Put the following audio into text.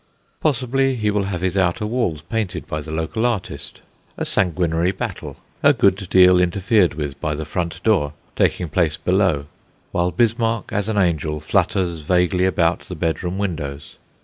Possibly, he will have his outer walls painted by the local artist: a sanguinary battle, a good deal interfered with by the front door, taking place below, while Bismarck, as an angel, flutters vaguely about the bedroom windows.